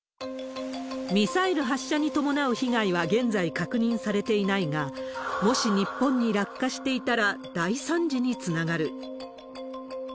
ミサイル発射に伴う被害は現在、確認されていないが、もし日本に落下していたら、大惨事につながる。